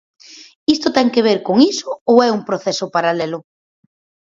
Isto ten que ver con iso ou é un proceso paralelo?